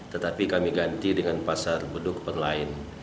tetapi kami ganti dengan pasar beduk online